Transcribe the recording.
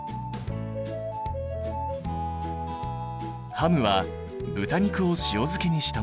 ハムは豚肉を塩漬けにしたもの。